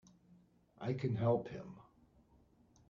I can help him!